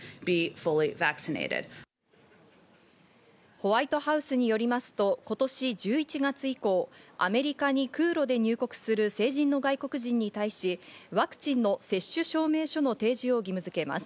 ホワイトハウスによりますと今年１１月以降、アメリカに空路で入国する成人の外国人に対し、ワクチンの接種証明書の提示を義務付けます。